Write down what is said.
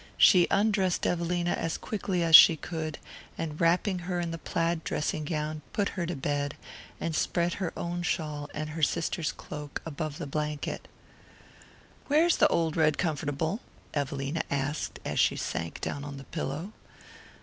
She undressed Evelina as quickly as she could, and wrapping her in the plaid dressing gown put her to bed, and spread her own shawl and her sister's cloak above the blanket. "Where's the old red comfortable?" Evelina asked, as she sank down on the pillow.